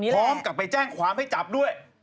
พร้อมกับไปแจ้งความให้จับด้วย